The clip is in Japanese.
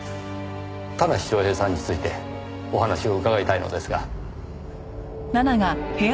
田無昌平さんについてお話を伺いたいのですが。